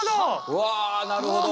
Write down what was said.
うわなるほど。